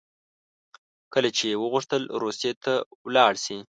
کله چې یې وغوښتل روسیې ته ولاړ شي.